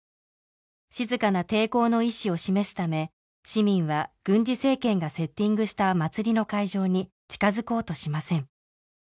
静かな抵抗の意思を示すため市民は軍事政権がセッティングした祭りの会場に近づこうとしません